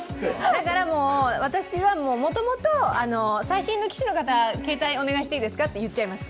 だから、私はもともと、最新の機種の方、携帯お願いしていいですかって言っちゃいます